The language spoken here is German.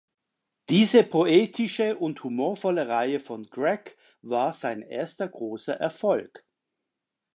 Diese poetische und humorvolle Reihe von Greg war sein erster großer Erfolg.